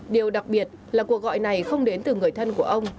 điều đặc biệt là cuộc gọi này không đến từ người thân của ông